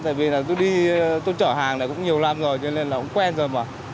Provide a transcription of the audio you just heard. tại vì là tôi đi tôi chở hàng này cũng nhiều năm rồi cho nên là cũng quen rồi mà